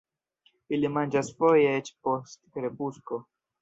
Ili manĝas foje eĉ post krepusko.